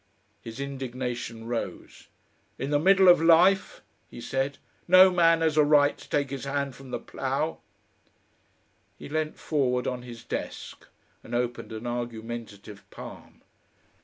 His indignation rose. "In the middle of life!" he said. "No man has a right to take his hand from the plough!" He leant forward on his desk and opened an argumentative palm.